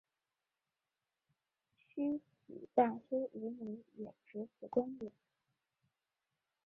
曲学大师吴梅也持此观点。